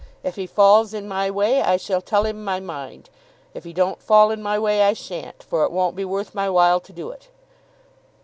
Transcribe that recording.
If he falls in my way, I shall tell him my mind; if he don't fall in my way, I shan't, for it won't be worth my while to do it.